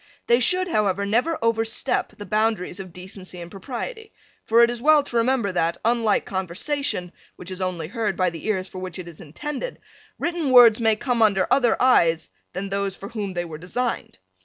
They should, however, never overstep the boundaries of decency and propriety, for it is well to remember that, unlike conversation, which only is heard by the ears for which it is intended, written words may come under eyes other than those for whom they were designed.